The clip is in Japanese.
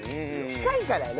近いからね。